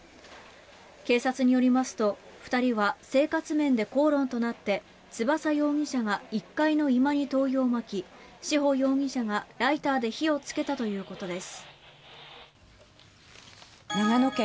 警察によりますと２人は生活面で口論となって翼容疑者が１階の居間に火をつけ志保容疑者がライターで火をつけたということです。